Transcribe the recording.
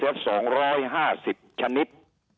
หรือ๒๕๐ชนิด